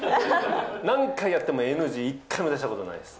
何回やってもＮＧ１回も出したことないです。